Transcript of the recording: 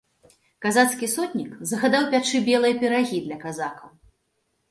Казацкі сотнік загадаў пячы белыя пірагі для казакаў.